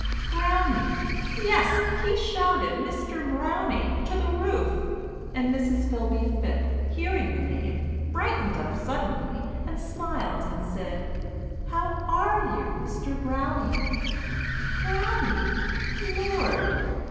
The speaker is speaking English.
Brownie! Yes, He shouted "Mr. BROWNIE" to the roof. And Mrs. Philby Phipp, hearing the name, Brightened up suddenly and smiled and said, "How are you, Mr. Brownie?" (Brownie! Lord!)